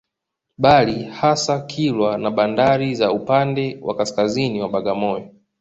Bali hasa Kilwa na bandari za upande wa kaskaziini wa Bagamoyo